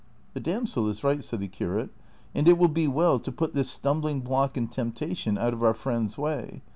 " The damsel is right," said the curate, " and it will be well to put this stumbling block and temi)tation out of our friend's Avay.